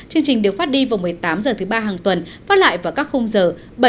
chương trình được phát đi vào một mươi tám h thứ ba hàng tuần phát lại vào các khung giờ